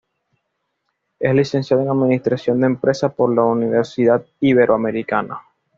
Es Licenciado en Administración de Empresas por la Universidad Iberoamericana.